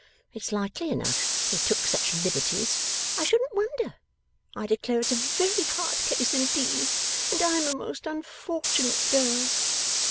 It's likely enough they took such liberties; I shouldn't wonder! I declare it's a very hard case indeed, and I am a most unfortunate girl.